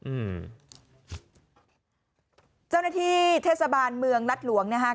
อืมเจ้าหน้าที่เทศบาลเมืองรัฐหลวงนะฮะ